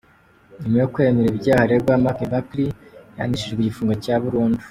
Nyuma yo kwemera ibi byaha aregwa Mark Buckley yahanishijwe igifungo cya burundu.